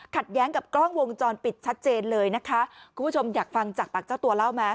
แย้งกับกล้องวงจรปิดชัดเจนเลยนะคะคุณผู้ชมอยากฟังจากปากเจ้าตัวเล่าไหม